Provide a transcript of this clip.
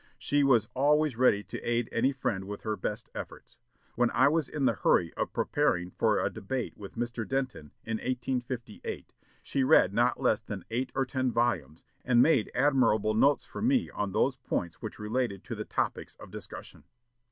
She was always ready to aid any friend with her best efforts. When I was in the hurry of preparing for a debate with Mr. Denton, in 1858, she read not less than eight or ten volumes, and made admirable notes for me on those points which related to the topics of discussion.